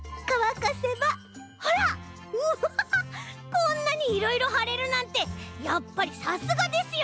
こんなにいろいろはれるなんてやっぱりさすがですよ